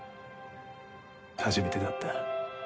初めてだった。